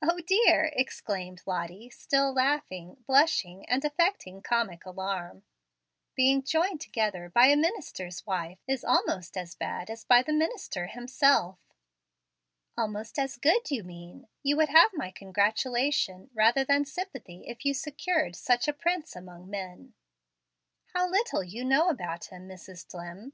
"O dear!" exclaimed Lottie, still laughing, blushing, and affecting comic alarm; "being joined together by a minister's wife is almost as bad as by the minister himself." "Almost as good, you mean. You would have my congratulation rather than sympathy if you secured such a prince among men." "How little you know about him, Mrs. Dlimm!